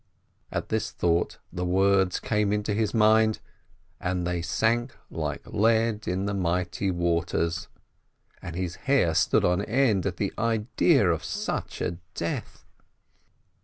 At this thought, the words came into his mind, "And they sank like lead in the mighty waters," and his hair stood on end at the idea of such a death.